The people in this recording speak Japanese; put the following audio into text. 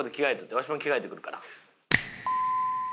わしも着替えてくるから。